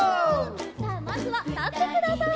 さあまずはたってください！